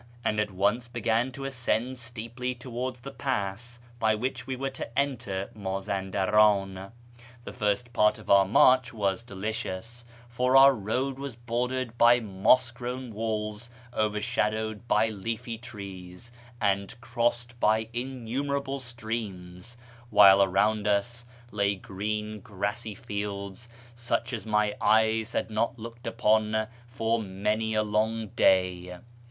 and at once began to ascend steeply towards the pass by which we were to enter Mazandaran. The first part of our march was delicious, for our road was bordered by moss grown walls, overshadowed by leafy trees, and crossed by innumerable streams, while around us lay green grassy fields such as my eyes had not looked upon for many a long day.